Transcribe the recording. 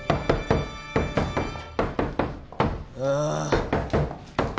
ああ。